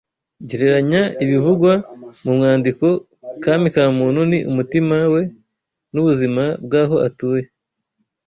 Gereranya ibivugwa mu mwandiko Kami ka muntu ni umutima wen’ubuzima bw’aho utuye